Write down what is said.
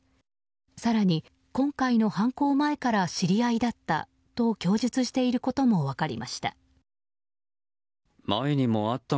更に、今回の犯行前から知り合いだったと供述していることも分かりました。